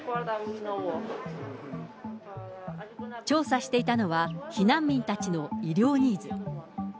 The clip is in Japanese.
調査していたのは、避難民たちの医療ニーズ。